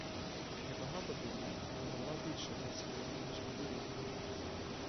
Я багато думаю, моя голова більше працює, ніж мої руки.